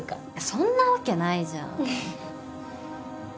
そんなわけないじゃん。